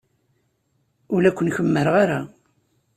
Ur la ken-kemmreɣ ara.